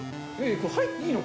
入っていいの？